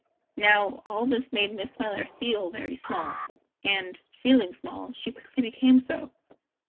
Now, all this made Miss Smiler feel very small. And, feeling small, she quickly became so!